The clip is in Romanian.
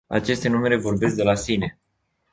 Aceste numere vorbesc de la sine.